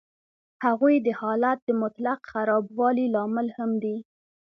هغوی د حالت د مطلق خرابوالي لامل هم دي